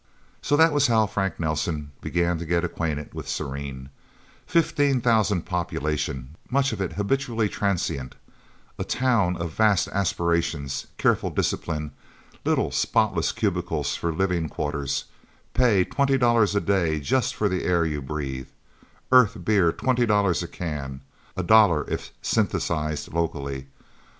So that was how Frank Nelsen began to get acquainted with Serene fifteen thousand population, much of it habitually transient; a town of vast aspirations, careful discipline, little spotless cubicles for living quarters, pay twenty dollars a day just for the air you breathe, Earth beer twenty dollars a can, a dollar if synthesized locally.